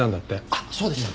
あっそうでした。